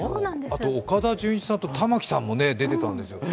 あと岡田准一さんと玉木さんも出られてたんですよね。